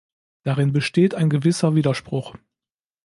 Darin besteht ein gewisser Widerspruch.